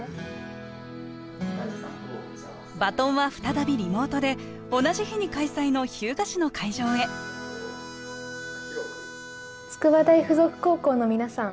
バトンは再びリモートで同じ日に開催の日向市の会場へ筑波大附属高校の皆さん